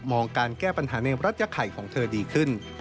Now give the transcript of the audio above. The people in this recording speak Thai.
การแก้ปัญหาในรัฐยาไข่ของเธอดีขึ้น